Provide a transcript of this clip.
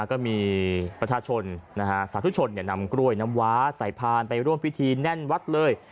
ก็มีประชาชนสาธุชนนำกล้วยน้ำว้าใส่พานไปร่วมพิธีแน่นวัดเลย